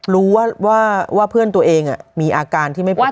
รู้ว่า